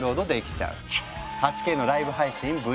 ８Ｋのライブ配信